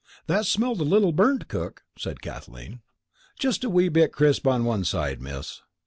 "That smelt a little burnt, cook," said Kathleen. "Just a wee bit crisp on one side, miss."